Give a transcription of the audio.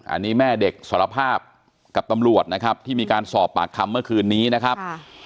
อันนี้แม่เด็กสารภาพกับตำรวจนะครับที่มีการสอบปากคำเมื่อคืนนี้นะครับ